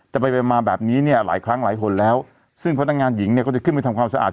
จะไปไปมาแบบนี้เนี่ยหลายครั้งหลายคนแล้วซึ่งพนักงานหญิงเนี่ยก็จะขึ้นไปทำความสะอาด